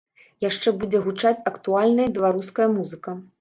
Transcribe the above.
Яшчэ будзе гучаць актуальная беларуская музыка.